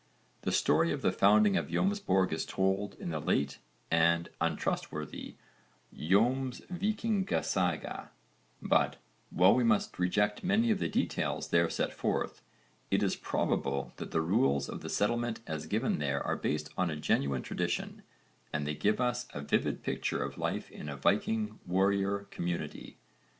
The story of the founding of Jómsborg is told in the late and untrustworthy Jómsvikingasaga, but, while we must reject many of the details there set forth, it is probable that the rules of the settlement as given there are based on a genuine tradition, and they give us a vivid picture of life in a Viking warrior community.